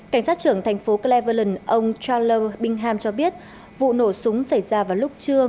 cảnh sát trưởng thành phố cleveland ông challer bingham cho biết vụ nổ súng xảy ra vào lúc trưa